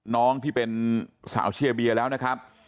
น้องที่เป็นสาวเชียร์เบียร์แล้วนะครับ